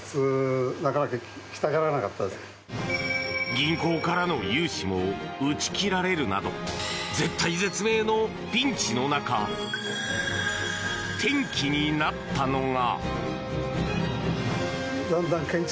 銀行からの融資も打ち切られるなど絶体絶命のピンチの中転機になったのが！